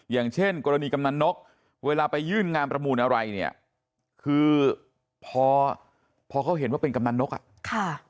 อย่างเช่นกรณีกำนันนกเวลาไปยื่นงานประมูลอะไรเนี่ยคือพอพอเขาเห็นว่าเป็นกำนันนกอ่ะค่ะ